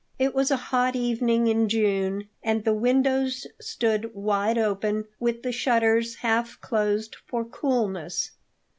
It was a hot evening in June, and the windows stood wide open, with the shutters half closed for coolness.